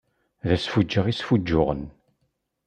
D asfuǧǧeɣ i sfuǧǧuɣen.